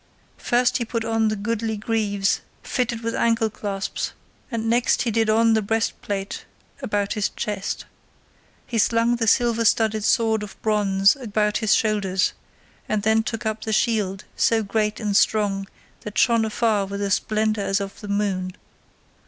First he put on the goodly greaves fitted with ancle clasps, and next he did on the breastplate about his chest. He slung the silver studded sword of bronze about his shoulders, and then took up the shield so great and strong that shone afar with a splendour as of the moon.